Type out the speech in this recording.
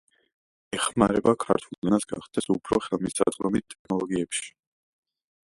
ეხმარება ქართულ ენას გახდეს უფრო ხელმისაწვდომი ტექნოლოგიებში